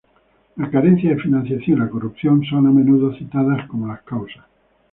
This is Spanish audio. La carencia de financiación y la corrupción son a menudo citadas como las causas.